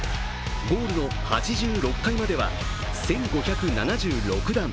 ゴールの８６階までは１５７６段。